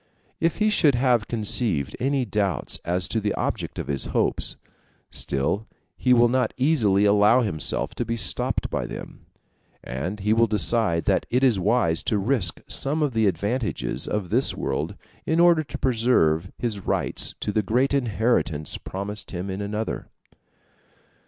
If he should have conceived any doubts as to the object of his hopes, still he will not easily allow himself to be stopped by them; and he will decide that it is wise to risk some of the advantages of this world, in order to preserve his rights to the great inheritance promised him in another.